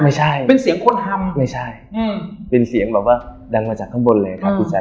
ไม่ใช่ไม่ใช่เป็นเสียงแบบดังไปจากข้างบนเลยครับพี่แจ๊ค